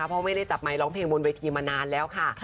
เพราะไม่ได้จับไมค์ร้องเพลงบนเวทีมานานแล้วค่ะ